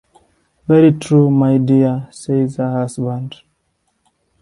"Very true, my dear," says her husband.